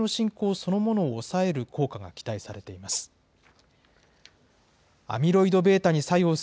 そのものを抑える効果が期待されています。